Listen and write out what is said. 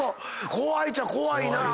怖いっちゃ怖いな。